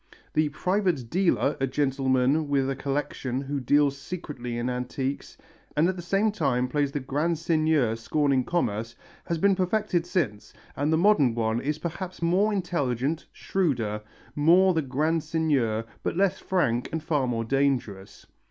The "private dealer," a gentleman with a collection who deals secretly in antiques and at the same time plays the grand seigneur scorning commerce, has been perfected since, and the modern one is perhaps more intelligent, shrewder, more the grand seigneur, but less frank and far more dangerous.